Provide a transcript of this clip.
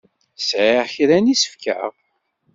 Sɛiɣ kra n yisefka.